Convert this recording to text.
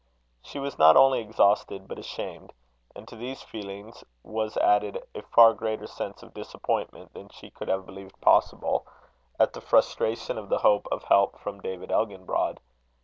She was not only exhausted, but ashamed; and to these feelings was added a far greater sense of disappointment than she could have believed possible, at the frustration of the hope of help from David Elginbrod.